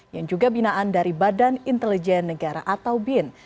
yang juga binaan dari badan intelijen negara atau bin